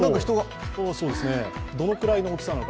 どのくらいの大きさなのか。